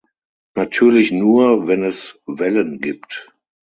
Natürlich nur wenn es Wellen gibt.